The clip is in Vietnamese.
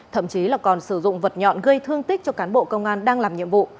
thậm chí là còn sử dụng vật nhọn gây thương tích cho cán bộ công an đang làm nhiệm vụ